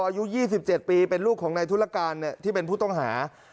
อายุ๒๗ปีเป็นลูกของนายธุรการที่เป็นผู้ต้องหา